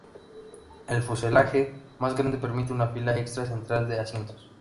El fuselaje más grande permite un fila extra central de asientos.